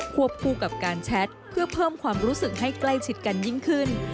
วบคู่กับการแชทเพื่อเพิ่มความรู้สึกให้ใกล้ชิดกันยิ่งขึ้น